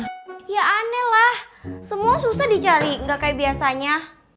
ya aneh lah semua susah dicari nggak kayak biasanya